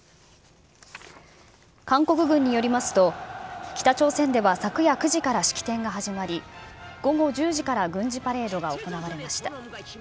韓国軍によりますと、北朝鮮では昨夜９時から式典が始まり、午後１０時から軍事パレードが行われました。